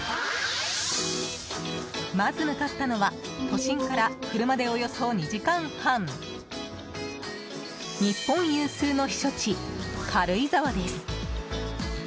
まず向かったのは都心から車でおよそ２時間半日本有数の避暑地・軽井沢です。